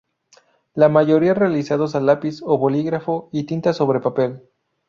La mayoría realizados a lápiz o bolígrafo y tinta sobre papel.